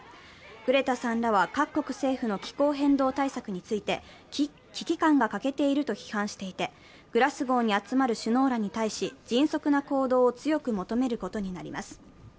グレタさんらは各国政府の気候変動対策について危機感が欠けていると批判していて、グラスゴーに集まる首脳らに対し、迅速な行動を強く求めることになります。